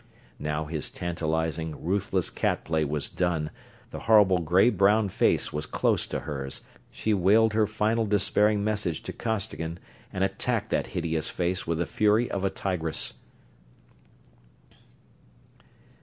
Now his tantalizing, ruthless cat play was done, the horrible gray brown face was close to hers she wailed her final despairing message to Costigan and attacked that hideous face with the fury of a tigress.